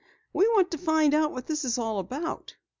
"We want to find out what this is all about."